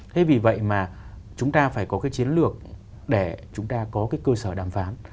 thế vì vậy mà chúng ta phải có cái chiến lược để chúng ta có cái cơ sở đàm phán